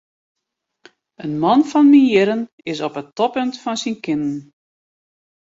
In man fan myn jierren is op it toppunt fan syn kinnen.